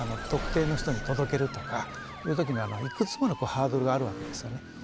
特定の人に届けるとかいう時にはいくつものハードルがあるわけですよね。